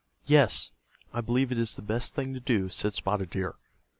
"Yes, I believe it is the best thing to do," said Spotted Deer.